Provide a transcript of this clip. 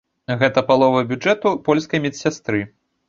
Гэта палова бюджэту польскай медсястры.